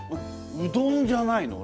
うどんじゃないの？